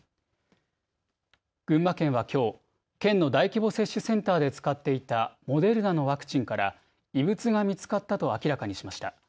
群馬県はきょう、県の大規模接種センターで使っていたモデルナのワクチンから異物が見つかったと明らかにしました。